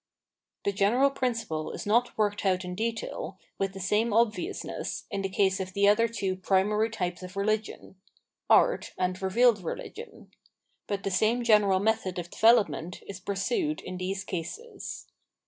The general principle is not worked out in detail, with the same obviousness, in the case of the other two primary types of Religion — Art and Revealed Religion. But the same general method of development is pursued in these cases.